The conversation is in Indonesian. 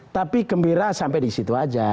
tapi gembira sampai disitu aja